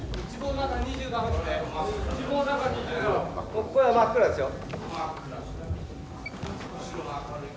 ここから真っ暗ですよ。